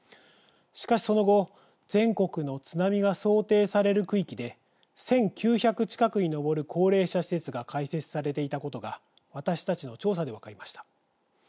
しかし、その後全国の津波が想定される区域で１９００近くに上る高齢者施設が開設されていたことが私たちの調査で分かりました。